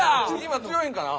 今強いんかな？